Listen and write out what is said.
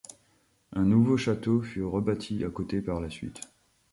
Un nouveau château fut rebâti à côté par la suite.